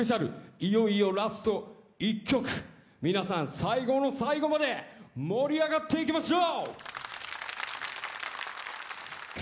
いよいよラスト１曲皆さん、最後の最後まで盛り上がっていきましょう！